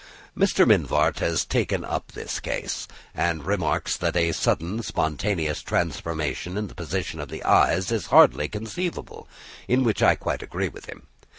Mr. Mivart has taken up this case, and remarks that a sudden spontaneous transformation in the position of the eyes is hardly conceivable, in which I quite agree with him.